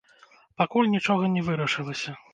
Пакуль нічога не вырашылася.